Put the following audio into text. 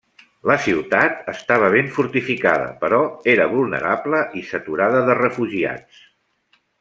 La ciutat estava ben fortificada però era vulnerable, i saturada de refugiats.